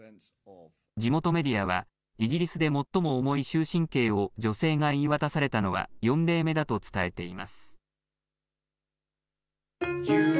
地元メディアは、イギリスで最も重い終身刑を女性が言い渡されたのは４例目だと伝えています。